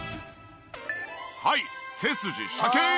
はい背筋シャキーン！